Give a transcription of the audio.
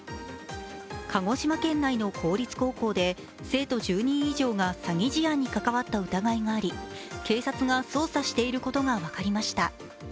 鹿児島県内の公立高校で生徒１０人以上が詐偽事案に関わった疑いがあり、警察が捜査していることが分かりました。